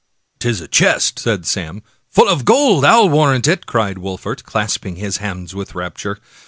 " 'Tis a chest," said Sam. "Full of gold, I'll warrant it!" cried Wolfert, clasping his hands with rapture.